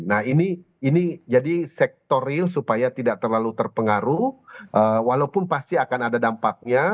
nah ini jadi sektor real supaya tidak terlalu terpengaruh walaupun pasti akan ada dampaknya